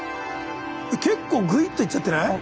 結構ぐいっといっちゃってない？